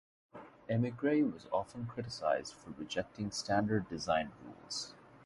Emigre was often criticized for rejecting standard design rules.